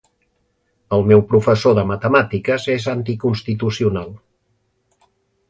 El meu professor de matemàtiques és anticonstitucional.